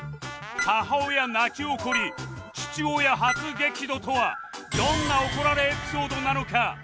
「母親泣き怒り」「父親初激怒」とはどんな怒られエピソードなのか？